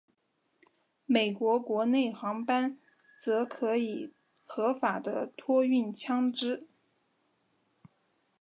美国国内航班则可以合法的托运枪支。